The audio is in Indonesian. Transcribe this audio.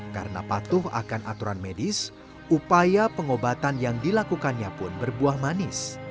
karena patuh akan aturan medis upaya pengobatan yang dilakukannya pun berbuah manis